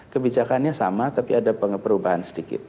kebijakannya sama tapi ada perubahan sedikit